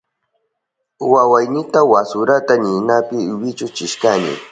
Wawaynita wasurata ninapi wichuchishkani.